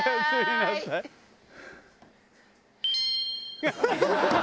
「ハハハハ！」